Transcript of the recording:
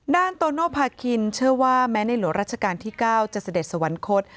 โตโนภาคินเชื่อว่าแม้ในหลวงราชการที่๙จะเสด็จสวรรคต